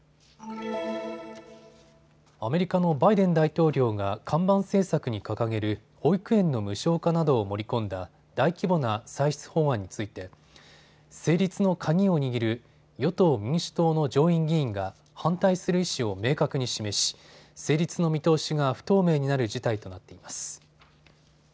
アメリカのバイデン大統領が看板政策に掲げる保育園の無償化などを盛り込んだ大規模な歳出法案について成立の鍵を握る与党民主党の上院議員が反対する意思を明確に示し成立の見通しが不透明になる事態となっています。